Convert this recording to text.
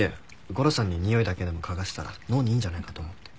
ゴロさんににおいだけでも嗅がせたら脳にいいんじゃないかと思って。